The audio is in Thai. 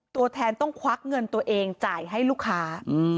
ตัวแทนต้องควักเงินตัวเองจ่ายให้ลูกค้า